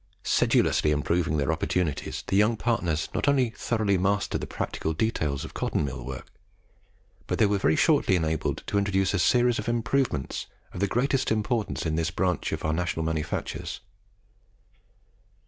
Sedulously improving their opportunities, the young partners not only thoroughly mastered the practical details of cotton mill work, but they were very shortly enabled to introduce a series of improvements of the greatest importance in this branch of our national manufactures.